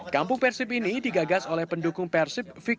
kampung persib ini digagas oleh pendukung persib viking inherent